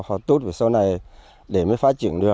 họ tốt về sau này để mới phát triển được